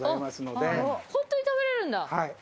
本当に食べられるんだ。